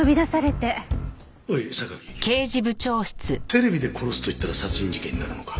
テレビで「殺す」と言ったら殺人事件になるのか？